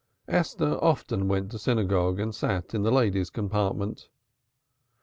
Esther often went to synagogue and sat in the ladies' compartment.